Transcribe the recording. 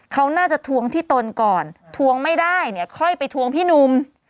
เขาน่าจะทวงที่ตนก่อนทวงไม่ได้เนี่ยค่อยไปทวงพี่หนุ่ม